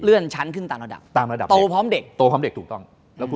เลื่อนชั้นขึ้นตามระดับ